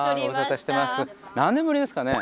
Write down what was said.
何年ぶりですかね？